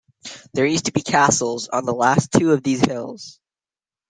There used to be castles on the last two of these hills.